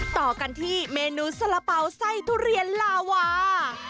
ต่อกันที่เมนูสละเป๋าไส้ทุเรียนลาวา